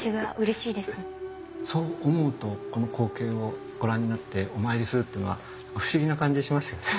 そう思うとこの光景をご覧になってお参りするっていうのは不思議な感じしますよね。